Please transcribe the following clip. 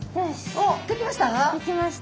おっ出来ました？